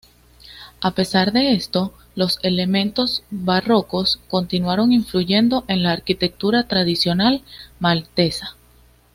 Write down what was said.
A pesar de esto, los elementos barrocos continuaron influyendo en la arquitectura tradicional maltesa.